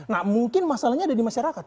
nah mungkin masalahnya ada di masyarakat